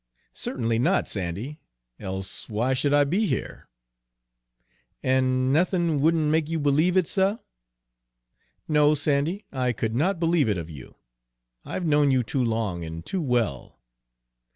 "Certainly not, Sandy, else why should I be here?" "An' nothin' wouldn' make you b'lieve it, suh?" "No, Sandy, I could not believe it of you. I've known you too long and too well."